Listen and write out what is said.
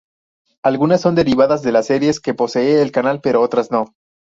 Algunas son derivadas de las series que posee el canal, pero otras no.